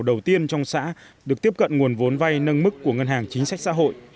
đầu tiên trong xã được tiếp cận nguồn vốn vay nâng mức của ngân hàng chính sách xã hội